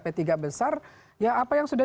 p tiga besar ya apa yang sudah